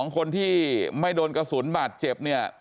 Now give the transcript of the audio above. คนที่ไม่โดนกระสุนบาดเจ็บเนี่ย